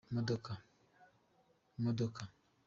imodoka.